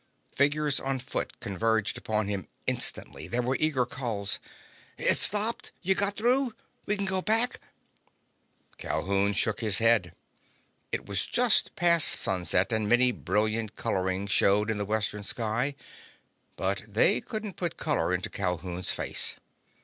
Figures on foot converged upon him instantly. There were eager calls. "It's stopped? You got through? We can go back?" Calhoun shook his head. It was just past sunset and many brilliant colorings showed in the western sky, but they couldn't put color into Calhoun's face.